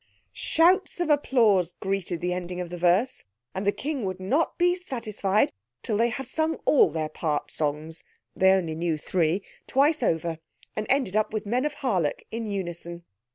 Shouts of applause greeted the ending of the verse, and the King would not be satisfied till they had sung all their part songs (they only knew three) twice over, and ended up with "Men of Harlech" in unison.